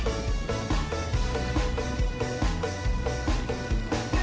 belum minum man